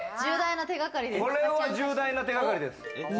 これは重大な手掛かりです。